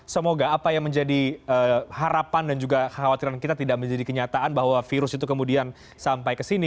semoga apa yang menjadi harapan dan juga kekhawatiran kita tidak menjadi kenyataan bahwa virus itu kemudian sampai ke sini